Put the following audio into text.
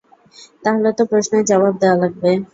তাহলে তো প্রশ্নের জবাব দেয়া লাগবে।